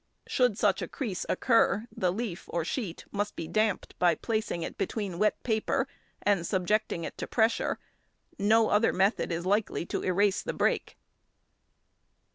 Should such a crease occur the leaf or sheet must be damped by placing it between wet paper and subjecting it to pressure; no other method is likely to erase the break.